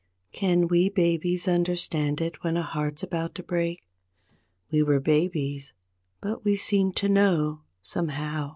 Can wee babies understand it when a heart's about to break? We were babies, but we seemed to know, somehow.